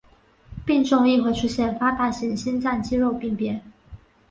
病童亦会出现发大性心脏肌肉病变。